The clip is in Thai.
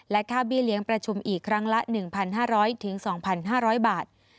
ค่าเบี้ยเลี้ยงประชุมอีกครั้งละ๑๕๐๐๒๕๐๐บาท